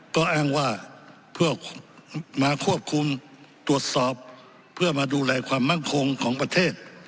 ก็อ้างว่าเพื่อมาควบคุมตรวจสอบเพื่อมาดูแลความมั่งคงของประเทศ